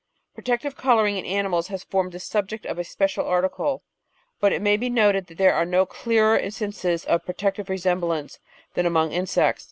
Pro tective colouring in animals has formed the subject of a special article, but it may be noted that there are no clearer instances of protective resemblance than among insects.